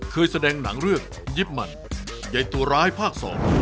เคยแสดงหนังเรื่องยิบมันใยตัวร้ายภาคสอง